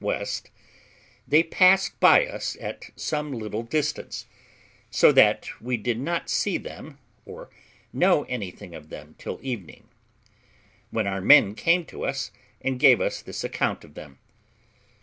west], they passed by us at some little distance; so that we did not see them, or know anything of them, till evening, when our men came to us and gave us this account of them.